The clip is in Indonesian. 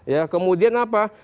ya kemudian apa